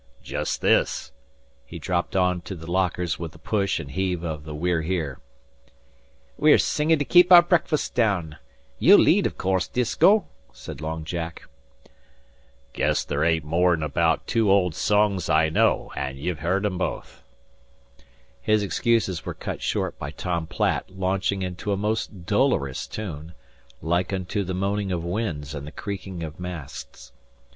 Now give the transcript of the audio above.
"Jest this!" He dropped on to the lockers with the push and heave of the We're Here. "We're singin' to kape our breakfasts down. Ye'll lead, av course, Disko," said Long Jack. "Guess there ain't more'n 'baout two old songs I know, an' ye've heerd them both." His excuses were cut short by Tom Platt launching into a most dolorous tune, like unto the moaning of winds and the creaking of masts.